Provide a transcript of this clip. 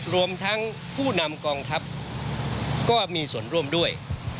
รวมทั้งผู้นำกองทัพก็มีส่วนร่วมด้วย